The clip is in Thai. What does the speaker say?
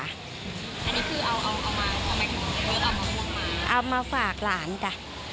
อันนี้คือเอามาฝากหลานจ้ะ